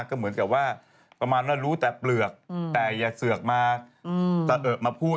ก็เหมือนกับว่าประมาณว่ารู้แต่เปลือกแต่อย่าเสือกมาพูด